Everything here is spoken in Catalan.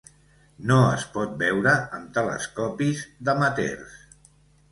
No es pot veure amb telescopis d'amateurs.